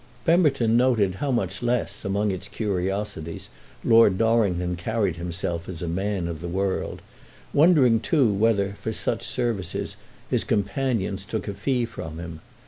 Pemberton noted how much less, among its curiosities, Lord Dorrington carried himself as a man of the world; wondering too whether, for such services, his companions took a fee from him.